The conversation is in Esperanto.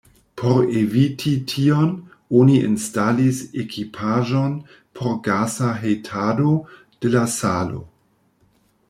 Por eviti tion, oni instalis ekipaĵon por gasa hejtado de la salo.